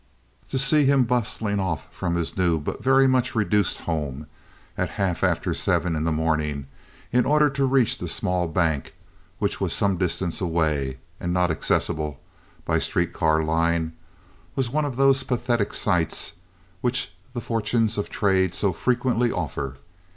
To see him bustling off from his new but very much reduced home at half after seven in the morning in order to reach the small bank, which was some distance away and not accessible by street car line, was one of those pathetic sights which the fortunes of trade so frequently offer.